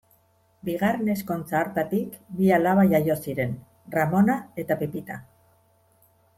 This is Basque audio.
Bigarren ezkontza hartatik bi alaba jaio ziren: Ramona eta Pepita.